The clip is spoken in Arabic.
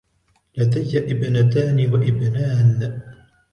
لدي ابنتان و ابنان.